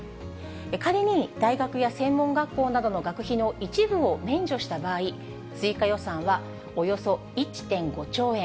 仮に大学や専門学校などの学費の一部を免除した場合、追加予算はおよそ１．５兆円。